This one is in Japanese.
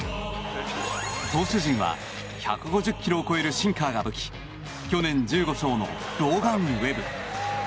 投手陣は１５０キロを超えるシンカーが武器去年１５勝のローガン・ウェブ。